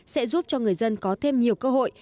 sẽ giúp cho người dân có thêm nhiều cơ hội